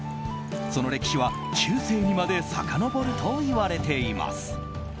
その歴史は中世にまでさかのぼるといわれています。